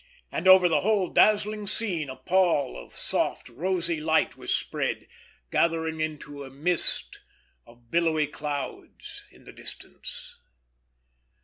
And over the whole dazzling scene a pall of soft, rosy light was spread, gathering into a mist of billowy clouds in the distance.